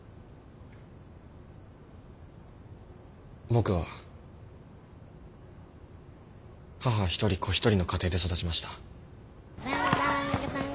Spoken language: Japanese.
僕は母一人子一人の家庭で育ちました。